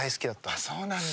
あっそうなんだ。